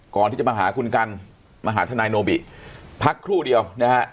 ก่อนที่จะมาหาคุณกันมาหาทนายโนบิพักครู่เดียวนะฮะ